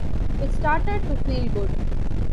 It started to feel good.